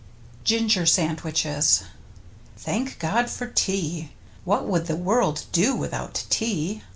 GINGER SANDWICHES Thank God for tea! What would the world do without tea?